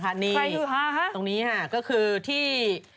ใครฮือฮาคะนี่ตรงนี้ค่ะก็คือที่